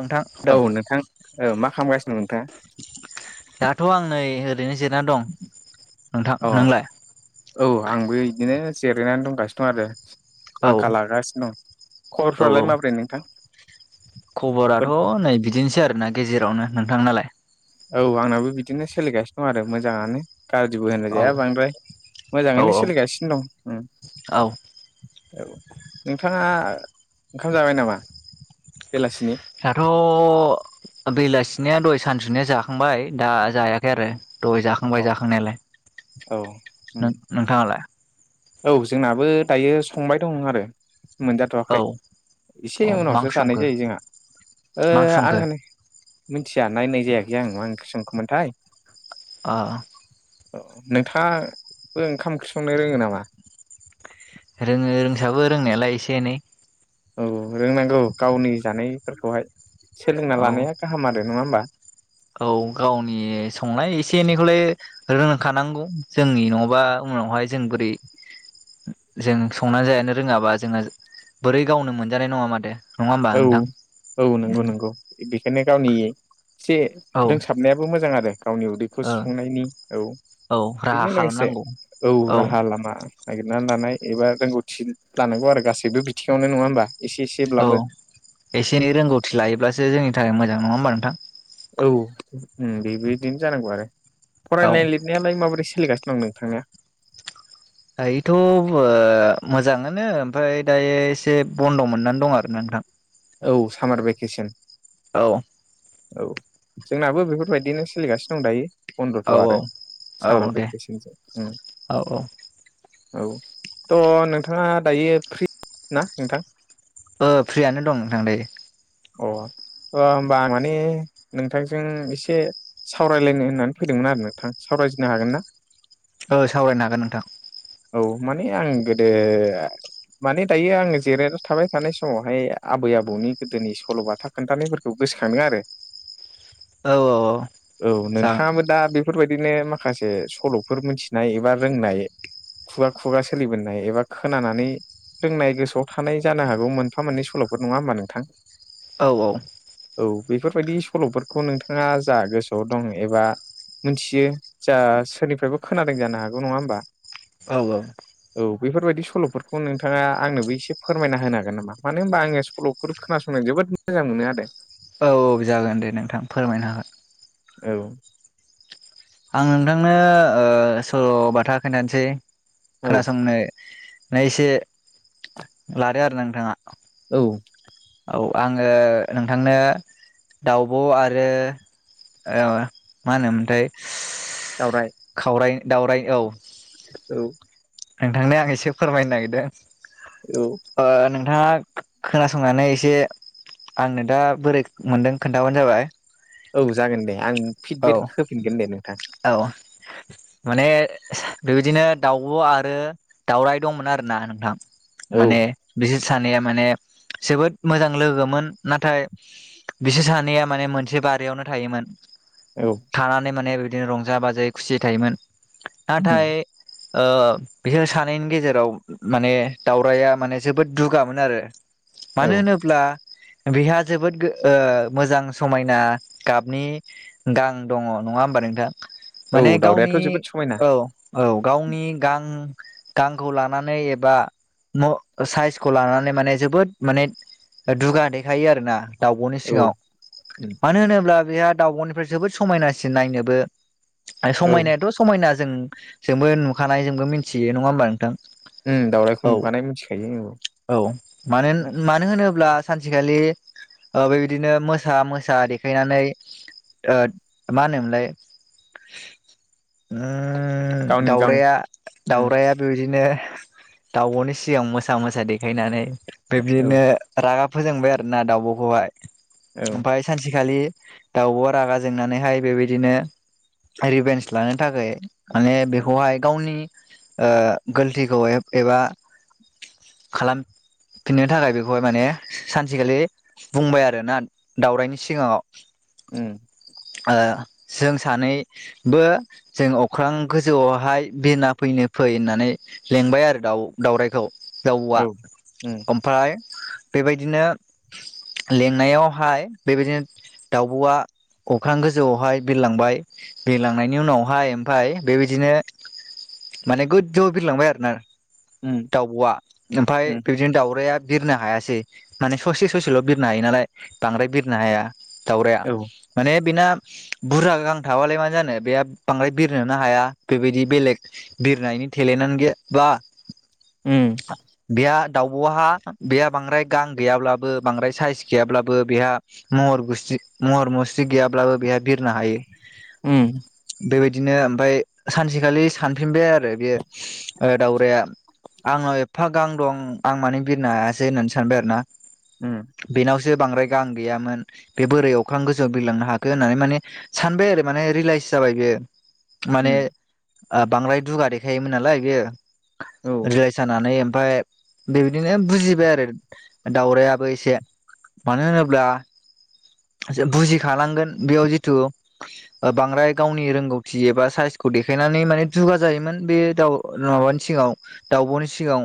नोंथां दों औ नोंथां औ मा खालामगासिनो दं नोंथाङा? दाथ' आं नै ओरैनो जिरायनानै दं अ नोंथां। नोंलाय? औ आंबो बिदिनो जिरायनानै दंगासिनो दं आरो। औ फांखा लागासिनो दं औ खबरफ्रालाय औ माब्रै नोंथां? खबराथ' नै बिदिनोसै आरोना गेजेरावनो। नोंथांनाालाय? औ आंनाबो बिदिनो सोलिगासिनो दं आरो मोजाङानो। गाज्रिबो औ होनजाया बांद्राय, औ मोजाङैनो सोलिगासिनो दं। औ औ नोंथाङा ओंखाम जाबाय नामा बेलासिनि? दाथ' बेलासिनिया दय सानसुनिया जाखांबाय दा जायाखै आरो दय जाखां अ खांबाय जाखांनायालाय, औ उम नोंथाङालाय? औ जोंनाबो दायो संबाय दं आरो औ मोनजाथ'वाखै औ एसे मा उनावसो ओंख्रि जानाय संखो जायो जोंहा ओ मा ओंख्रि संखो आङो मिथिया नायनाय जायाखै आं मा ओंख्रि संखो मोनथाय अ नोंथाङाबो ओंखाम ओंख्रि संनो रोङो नामा? रोङो रोंसाबो रोंनायालाय एसे एनै। औ रोंनांगौ गावनि जानायफोरखौहाय सोलोंना औ लानाया गाहाम आरो नङा होमबा? औ गावनि संनाय एसे एनैखौलाय रोंखानांगौ जोंनि नङाबा उनावहाय जों बोरै जों संनानै जानो रोङाबा जोङो बोरै गावनो मोनजानाय नङा माथो नङा होमबा औ नोंथां औ नंगौ नंगौ बेखायनो गावनि एसे औ रोंसाबनायाबो मोजां आरो गावनि उदैखौ ओ सुफुंनायनि औ। औ राहा बेजों लोगोसे खालामनांगौ औ राहा लामा नागिरनानै लानाय एबा रोंगौथि लानांगौ आरो गासैबो बिथिङावनो नङा होमबा? एसे औ एसेब्लाबो एसे एन रोंगौथि लायोब्लासो जोंनि थाखाय मोजां नङा होनबा नोंथां? औ बेबायदिनो जानांगौ आरो फराय औ ल यालाय माबोरै सलिगासिनो दं नोंथांनिया? दायोथ' मोजाङानो ओमफ्राय दायो एसे बन्द' मोननानै दं आर ना नोंथां। औ सामार भेकेसन। औ औ जोंनाबो बेफोरबायदिनो सोलिगासिनो दं दायो। बन्दथ' औ आरो औ सान औ दे बेखेसिनस औ औ औ थ' नोंथाङा दायो फ्रि ना नोंथां? ओ फ्रियानो दं नोंथां दायो। अ होमबा माने नोंथांजों एसे सावरायलायनो होननानै फैदोंमोन आरो नोंथां। सावरायजनो हागोन ना? ओ सावरायनो हागोन नोंथां। औ माने आं गोदो माने दायो आङो जेरायना थाबाय थानाय समावहाय आबै आबौनि गोदोनि सल'बाथा खोन्थानायफोरखौ गोसोखांदों आरो। औ औ। औ जागोन नोंथाङाबो दा बेफोरबायदिनो माखासे सल'फोर मिथिनाय एबा रोंनाय खुगा खुगा सोलिबोननाय एबा खोनानानै रोंनाय गोसोआव थानाय जानो हागौ मोनफा मोननै सल'फोर नङा होनबा नोंथां? औ औ। औ बेफोरबायदि सल'फोरखौ नोंथाङा जा गोसोआव दं एबा मोनथियो जा सोरनिफ्रायबो खोनादों जानो हागौ नङा होमबा? औ औ। औ बेफोरबायदि सल'फोरखौ नोंथाङा आंनोबो एसे फोरमायना होनो हागोन नामा? मानो होनबा आङो सल'फोर खोनासं संनो जोबोद मोजां मोनो आरो। औ जागोन दे नोंथां फोरमायनो हागोन। औ। आं नोंथांनो ओ सल' बाथा खोनथानोसै, औ खोनासंनो नै एसे लादो आरोना नोंथाङा। औ‌। औ आङो नोंथांनो दाउब' आरो ओ मा होनोमोनथाय दावराइ खावराय दावराय औ। औ। नोंथांनो आं एसे फोरमायनो नागिरदों। औ। ओ नोंथाङा खो-खोनासंनानै एसे आंनो दा बोरै मोन्दों खोन्थाबानो जाबाय। औ जागोन दे आं औ फिडबेक होफिनगोन दे नोंथां। औ। माने बेबायदिनो दाउब' आरो दावराइ दंमोन आरो ना नोंथां। औ माने बिसोर सानैया माने जोबोद मोजां लोगोमोन। नाथाय बिसोर सानैया माने मोनसे बारियावनो थायोमोन। औ। थानानै माने बिदिनो रंजा बाजायै खुसि थायोमोन। उम नाथाय ओ बिसोर सानैनि गेजेराव माने दावराइया माने जोबोद दुगामोन आरो औ मानो होनो ब्ला बेहा जोबोद गो ओ मोजां समायना गाबनि गां दङ' नङा होमबा नोंथां औ माने गावनि, दावरायाथ' जोबोद समायना औ। औ गावनि गां गांखौ लानानै एबा म साइसखौ लानानै माने जोबोद माने ओ दुगा देखायो आरो ना। दाउब'नि औ सिङाव उम मानो होनोब्ला बेहा दाउब'निफ्राय जोबोद समायनासिन नायनोबो। औ समायनायाथ' समायना जों जोंबो नुखानाय जोंबो मिथियो नङा होमबा नोंथां। ओम दावउरायखौ औ नुखानाय मिथिखायो औ। औ मानो मानो होनोब्ला सानसेखालि ओ बेबायदिनो मोसा मोसा देखायनानै ओ मा होनोमोनलाय ओ गावनि गां दाउराइया उम दाउराइया बेबादिनो दाउब'नि सिगां मोसा मोसा देखायनानै औ बेब्दिनो रागा फोजोंबाय आरो ना दाउब'खौहाय। औ ओमफ्राय सानसेखालि दाउब'वा रागा जोंनानैहाय बेबायदिनो रिभेन्स लानो थाखाय माने बेखौहाय गावनि ओ गोलतिखौ हाय एबा खालाम फिननो थाखाय बेखौहाय माने सानसेखालि बुंबाय आरोना दावरायनि सिगाङाव उम। ओ जों सानैबो जों अख्रां गोजौआवहाय बिरना फैनो फै होननानै लेंबाय आरो दाउ-दाउराइखौ दाउब'आ औ उम ओम फ्राय बेबायदिनो लेंनायावहाय बेबायदिनो दाउब'आ अख्रां गोजौआवहाय बिरलांबाय बिरलांनायनि उनावहाय ओमफाय बेबायदिनो माने गोजौआव बिरलांबाय आरोना उम दाउबआ ओमफाय उम बिदिनो दाउराया बिरनो हायासै माने ससे ससेल बिरनो हायो नालाय बांद्राय बिरनो हाया दावराया औ माने बेना बुरजा गां थाबालाय मा जानो बे बांद्राय बिरनोनो हाया बेबायदि बेलेग बिरनायनि टेलेनानो गैया। बा उम बेहा दाउबहा बेहा बांद्राय गां गैयाब्लाबो बांद्राय साइस गैयाब्लाबो बेहा महर गुसथि महर मुस्रि गैयाब्लाबो बेहा बिरनो हायो। उम बेबायदिनो ओमफाय सानसेखालि सानफिनबाय आरो बेयो ओ दाउराया आंनाव एफा गां दं आं मानो बिरनो हायासै होननानै सानबाय आरो ना। उम। बेनावसो बांद्राय गां गैयामोन बे बोरै अख्रां गोजौआव बिरलांनो हाखो होननानै माने सानबाय आरो माने रिएलाइस जाबाय बेयो। माने उम ओ बांद्राय दुगा देखायोमोन नालाय बेयो। औ रिलाइज जानानै ओमफाय बेबादिनो बुजिबाय आरो दाउरायाबो एसे मानो होनोब्ला बुजिखालांगोन बेयाव जिथु ओ बांद्राय गावनि रोंगौथि एबा साइसखौ देखायनानै माने दुगा जायोमोन बे दाउ माबानि सिगाव दाउबनि सिगाव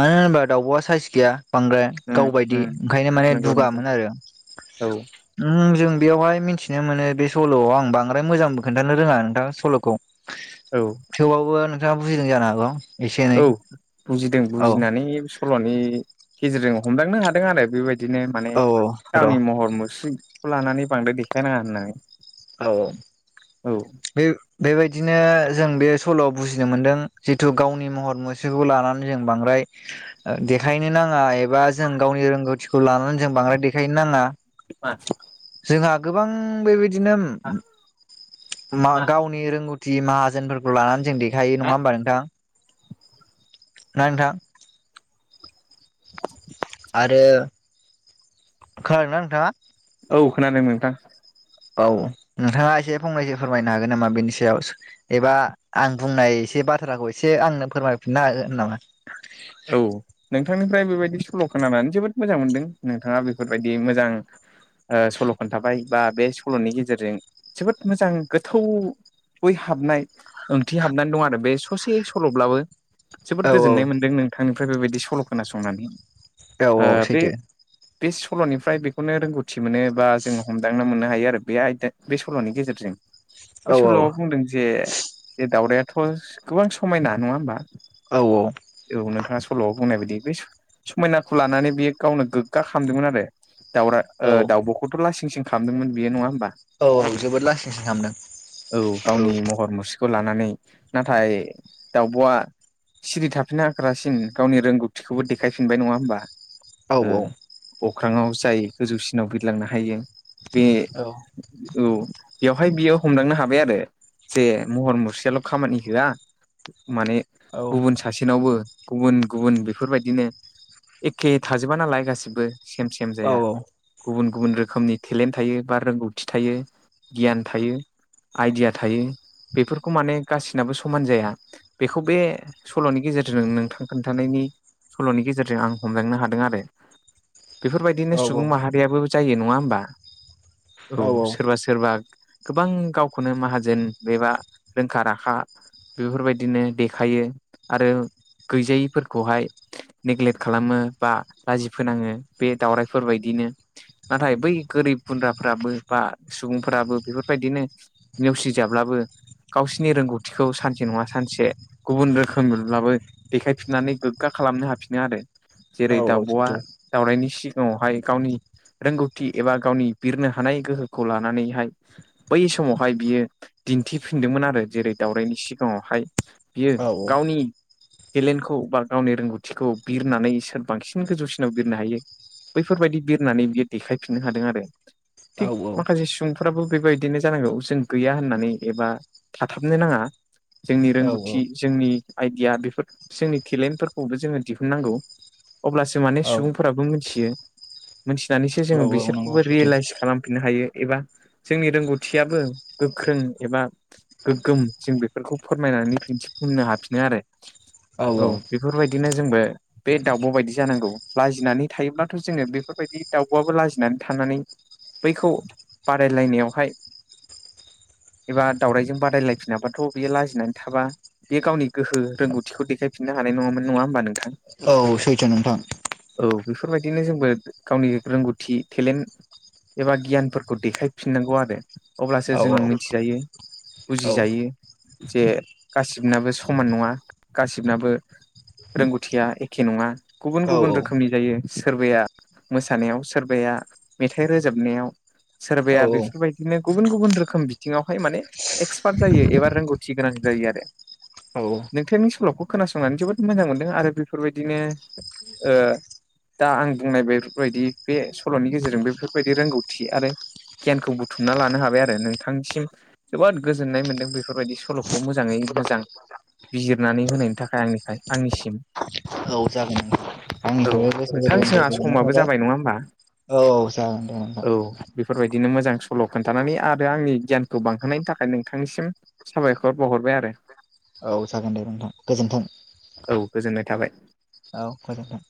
मानो होनोब्ला दाउबआ साइस गैया बांद्राय। उम गावबायदि उम ओंखायनो माने नंगौ नंगौ दुगामोन आरो। औ उम जों बेयावहाय मिथिनो मोनो बे सलआव आं बांद्राय मोजांबो खोन्थानो रोङा नोंथां सलखौ। औ। थेवबावबो नोंथाङा बुजिदों जानो हागौ। एसे एनै औ बुजिदों औ बुजिनानै सलनि गेजेरजों हमदांनो हादों आरो बेबाय दिनो माने औ औ र' गावनि महर मुस्रिखौ लानानै बांद्राय देखायनाङा होननानै। औ औ औ बे बेबायदिनो जों बे सलआव बुजिनो मोनदों जिथु गावनि महर मुस्रिखौ लानानै जों बांद्राय ओ देखायनो नाङा एबा जों गावनि रोंगौथिखौ लानानै जों बांद्राय देखायनो नाङा। [unintelligible] जोंहा गोबां बेबायदिनो मा गावनि रोंगौथि माहाजोनफोरखौ लानानै जों देखायो हा नङा होमबा नोंथां? ना नोंथां? आरो खोनादोंना नोंथाङा? औ खोनादों नोंथां। औ नोंथाङा एसे फंनैसो फोरमायनो हागोन नामा बेनि सायाव एबा आं बुंनाय एसे बाथ्राखौ एसे आंनो फोरमायफिननो हागोन नामा? औ नोंथांनिफ्राय बेबायदि सल खोनानानै जोबोद मोजां मोनदों नोंथाङा बेफोरबायदि मोजां ओ सल' खोन्थाबाय बा बे सल'नि गेजेरजों जोबोद मोजां गोथौ बै हाबनाय ओंथि हाबनानै दं आरो बे ससे सल'ब्लाबो। औ जोबोद गोजोननाय मोनदों नोंथांनिफ्राय बेबायदि सल खोनासंनानै औ ओ औ बे सैथो बे सलनिफ्राय बेखौनो रोंगौथि मोनो बा जोङो हमदांना मोननो हायो आरो बे आयदा बे सलनि गेजेरजों औ बे सल'आव बुंदों जे जे दावरायथ गोबां समायना नङा होमबा औ औ। औ नोंथाङा सल' बुंनाय बायदि बे समायनाखौ लानानै बेयो गावनो गोग्गा खालामदोंमोन आरो दाउरा ओ औ दाउबखौथ लासिं सिं खालामदोंमोन बेयो नङा होमबा? औ औ जोबोद लासिंसिं खामदों औ। खौ लानानै नाथाय दाउबआ सिरि थाफिना रासिन गावनि रोंगौथिखौबो देखायफिनबाय नङा होमबा औ उम। अख्राङाव जाय गोजौसिनाव बिरलांनो हायो बे औ औ बेवहाय बियो हमदांनो हाबाय आरो जे महर मुस्रियाल' खामानि होआ माने औ गुबुन सासेनावबो गुबुन गुबुन बेफोरबायदिनो एखे थाजोबा नालाय गासिबो सेम सेम औ सैथो औ जाया। गुबुन गुबुन रोखोमनि टेलेन्ट थायो बा रोंगौथि थायो गियान थायो। आइडिया थायो बेफोरखौ माने गासिनाबो समान जाया। बेखौ बे सल'नि गेजेरजों नों थां खोन्थानायनि सल'नि गेजेरजों आं हमदांनो हादों आरो। बेफोरबायदिनो सुबुं माहारियाबो जायो नङा होमबा औ सोरबा सो सोरबा गोबां गावखौनो माहाजोन एबा रोंखा राखा बेफोरबायदिनो देखायो आरो गैजायिफोरखौहाय नेग्लेट खालामो बा लाजि फोनाङो बे दावरायाइफोरबायदिनो। नाथाय बै गोरिब गुन्द्राफोराबो बा सुबुंफोराबो बेफोरबायदिनो नेवसिजाब्लाबो गावसिनि रोंगौथिखौ सानसे नङा सानसे गुबुन रोखोमै ब्लाबो देखायफिननानै गोग्गा खालामनो हाफिनो आरो जेरै औ औ दाउब'आ दावरायनि सिगाङावहाय गावनि रोंगौथि एबा गावनि बिरनो हानाय गोहोखौ लानानैहाय बै समावहाय बियो दिन्थिफिनदोंमोन आरो जेरै दावरायनि सिगाङावहाय। बियो गावनि टेलेन्टखौ बा गावनि रोंगौथिखौ बिरनानै सोर बांसिन गोजौसिनाव बिरनो हायो बैफोरबायदि बिरनानै बियो देखायफिननो हादों आरो थिग माखासे सुबुं फ्राबो बेबायदिनो जानांगौ जों गैया होननानै एबा थाथाबनो नाङा। जोंनि रोंगौथि जोंनि आइडिया बेफोर जोंनि टेलेन्टफोरखौबो जोङो दिहुननांगौ। अब्लासो माने सुबुंफोराबो मिथियो। मोनथिनानैसो जोङो नंगौ बिसोरखौबो सैथो रियेलाइस खालामफिननो हायो एबा जोंनि रोंगौथियाबो गोख्रों एबा गोगोम जों बेफोरखौ फोरमायनानै दिन्थिफुंनो हाफिनो आरो। औ बेफोरबायदिनो जोंबो बे दाउब' बायदि जानांगौ लाजिनानै थायोब्लाथ' जोङो बेफोरबायदि दाउब'आबो लाजिनानै थानानै बैखौ बादायलायनायावहाय एबा दावरायजों बादायलायफिनाबाथ' बेयो लाजिनानै थाबा बेयो गावनि गोहो रोंगौथिखौे देखाय फिननो हानाय नङाम नङा होमबा नोंथां? औ सैथो नोंथां। औ बेफोरबायदिनो जोंबो गावनि रोंगौथि टेलेन्ट एबा गियानफोरखौ देखायफिननांगौ आरो। अब्लासो औ जों औ मिथिजायो औ बुजिजायो। जे गासिबनाबो समान नङा। गासिबनाबो रोंगौथिया एखे नङा गुबुन गुबुन रोखोमनि जायो। सोरबाया मोसानायाव सोरबाया मेथाइ रोजाबनायाव औ सोरबाया बेफोरबायदिनो गुबुन गुबुन रोखोम बिथिङावहाय माने एक्सपार्ट जायो एबा रोंगौथि गोनां जायो आरो। नोंथांनि सल'खौ खोनासंनानै जोबोद मोजां मोनदों आरो बेफोरबायदिनो ओ दा आं बुंनाय बेफोरबायदि बे सल'नि गेजेरजों बेफोरबायदि रोंगौथि आरो गियानखौ बुथुमना लानो हाबाय आरो नोंथांनिसिम जोबोद गोजोननाय मोन्दों बेफोरबायदि सल'खौ मोजाङै मोजां बिजिरनानै होनायनि थाखाय आंनिफाय आंनिसिम। औ जागोन। औ आंनिफ्रायबो गोसो नोंथां गोरबोनिफ्राय जोंहा गोजोननाय समाबो थाबाय। जाबाय नङा होमबा औ जागोन दे नोंथां। औ बेफोरबायदिनो मोजां सल' खोन्थानानै आरो आंनि गियानखौ बांहोनायनि थाखाय नोंथांनिसिम साबायखर बावहरबाय आरो। औ जागोन दे नोंथां, गोजोन्थों। औ गोजोननाय थाबाय। औ गोजोन्थों।